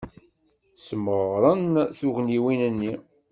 Smeɣren tugniwin-nni.